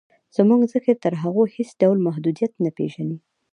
زموږ ذهن تر هغو هېڅ ډول محدودیت نه پېژني